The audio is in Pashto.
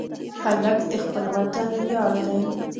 هلک د خپل وطن ویاړ دی.